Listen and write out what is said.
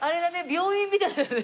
病院みたいだね。